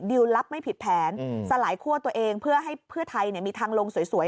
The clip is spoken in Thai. รับไม่ผิดแผนสลายคั่วตัวเองเพื่อให้เพื่อไทยมีทางลงสวย